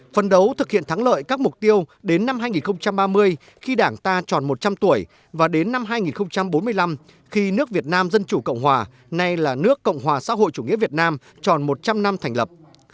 phấn đấu thực hiện thắng lợi các mục tiêu đến năm hai nghìn ba mươi khi đảng ta tròn một trăm linh tuổi và đến năm hai nghìn bốn mươi năm khi nước việt nam dân chủ cộng hòa nay là nước cộng hòa xã hội chủ nghĩa việt nam tròn một trăm linh năm thành lập